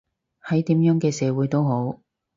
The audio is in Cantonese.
喺點樣嘅社會都好